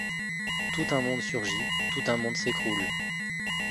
Tout un monde surgit, tout un monde s'écroule ;